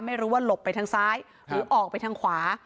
ไม่รู้ว่าหลบไปทางซ้ายหรือออกไปทางขวา